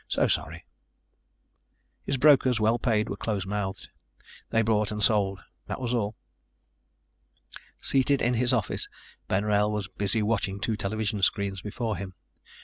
So sorry. His brokers, well paid, were close mouthed. They bought and sold. That was all. Seated in his office, Ben Wrail was busy watching two television screens before him.